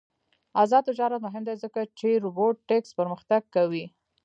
آزاد تجارت مهم دی ځکه چې روبوټکس پرمختګ کوي.